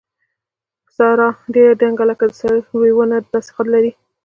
ساره ډېره دنګه لکه د سروې ونه داسې قد لري.